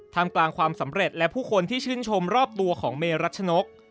ทำกลางความสำเร็จและผู้คนที่ชื่นชมรอบตัวของเมรัชนก